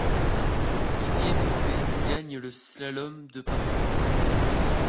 Didier Bouvet gagne le slalom de Parpan.